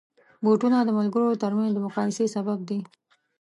بوټونه د ملګرو ترمنځ د مقایسې سبب دي.